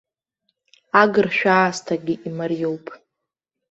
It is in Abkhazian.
Агыршәа аасҭагьы имариоуп.